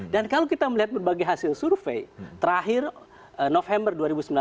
kalau kita melihat berbagai hasil survei terakhir november dua ribu sembilan belas